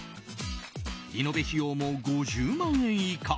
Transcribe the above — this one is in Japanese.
リノベ費用も５０万円以下！